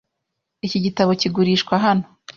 Iki gitabo kigurishwa hano.